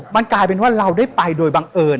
มันกลายเป็นว่าเราได้ไปโดยบังเอิญ